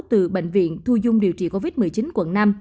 từ bệnh viện thu dung điều trị covid một mươi chín quận năm